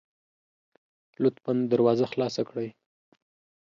لطفا دروازه خلاصه کړئ